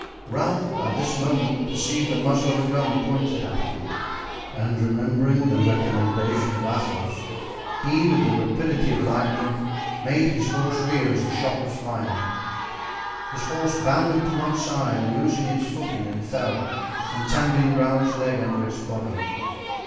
Raoul at this moment perceived the muzzle of a gun pointed at him, and remembering the recommendation of Athos, he, with the rapidity of lightning, made his horse rear as the shot was fired. His horse bounded to one side, losing its footing, and fell, entangling Raoul's leg under its body.